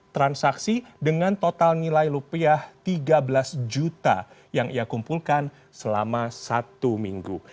transaksi dengan total nilai rupiah tiga belas juta yang ia kumpulkan selama satu minggu